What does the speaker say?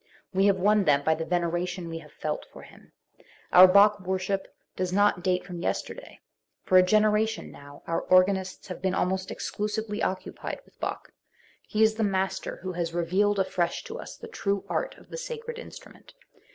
We have won them by the veneration we have felt for him. Our Bach worship does not date from yesterday. For a generation now our organists have been almost exclusively occupied with Bach; he is the master who has revealed Preface to the German Edition (1908.) XI afresh to us the true art of the sacred Instrument.